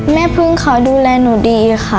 แม่พึ่งเขาดูแลหนูดีค่ะ